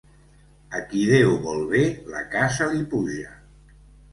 A qui Déu vol bé, la casa li puja.